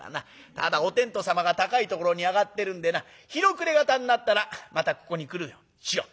ただお天道様が高いところに上がってるんでな日の暮れ方になったらまたここに来るようにしよう。